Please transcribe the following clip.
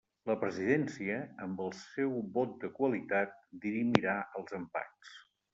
La presidència, amb el seu vot de qualitat, dirimirà els empats.